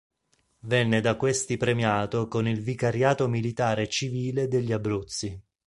Venne da questi premiato con il vicariato militare e civile degli Abruzzi.